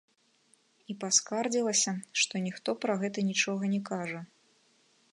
І паскардзілася, што ніхто пра гэта нічога не кажа.